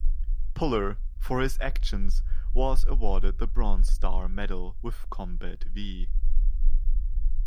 Puller, for his actions, was awarded the Bronze Star Medal with Combat "V".